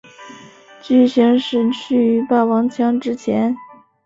剧情时序于霸王枪之前。